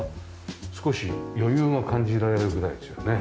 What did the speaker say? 少し余裕が感じられるぐらいですよね。